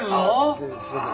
全然すいません